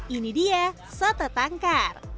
ini dia soto tangkar